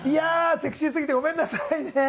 セクシーすぎてごめんなさいね。